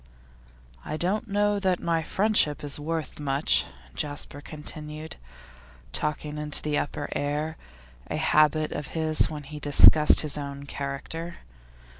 'I don't know that my friendship is worth much,' Jasper continued, talking into the upper air, a habit of his when he discussed his own character.